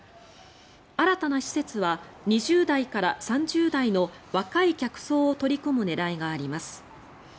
新たな施設は２０代から３０代の若い客層を取り込む狙いがあります。